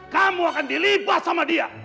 kamu akan dilibat sama dia